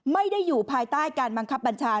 ไม่ได้อยู่ภายใต้การบังคับบัญชา